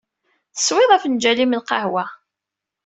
Teswiḍ afenǧal-im n lqahwa.